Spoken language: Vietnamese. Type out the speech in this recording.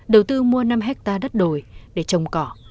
đầu tư mua năm hectare đất đồi để trồng cỏ